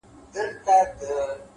پوهه د فکر تیاره زاویې روښانوي!.